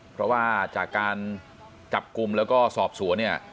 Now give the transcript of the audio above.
เพราะว่าจากการจับกลุ่มแล้วก็สอบสวนเนี่ย